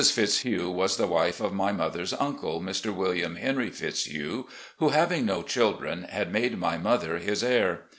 Fitzhugh was the wife of my mother's uncle, Mr. William Henry Fitzhugh, who, having no children, had made my mother his heir.